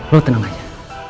lo tenang aja